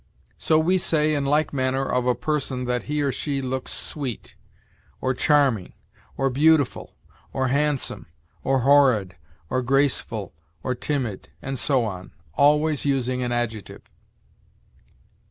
So we say, in like manner, of a person, that he or she looks sweet, or charming, or beautiful, or handsome, or horrid, or graceful, or timid, and so on, always using an adjective.